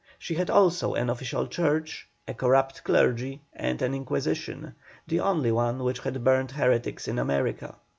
She had also an official Church, a corrupt clergy, and an inquisition, the only one which had burnt heretics in America.